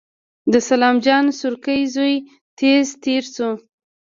د سلام جان سورکی زوی تېز تېر شو.